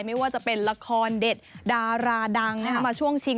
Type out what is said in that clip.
ไม่ว่าจะเป็นละครเด็ดดาราดังมาช่วงชิง